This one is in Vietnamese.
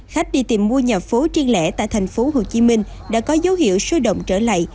khách đi tìm mua nhà phố truyền lẽ tại thành phố hồ chí minh đã có dấu hiệu sôi động trở lại